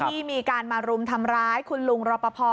ที่มีการมารุมทำร้ายคุณลุงรอปภ